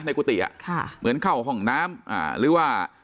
กุฏิเหมือนเข้าห้องน้ำหรือว่า